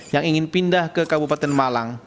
yang ingin pindah ke kabupaten malang